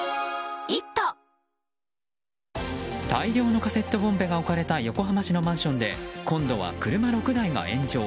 大量のカセットボンベが置かれた横浜市のマンションで今度は車６台が炎上。